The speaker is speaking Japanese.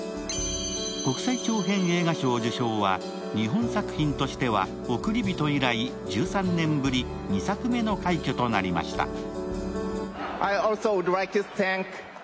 国際長編映画賞受賞は日本作品としては「おくりびと」以来１３年ぶり２作目の快挙となりました。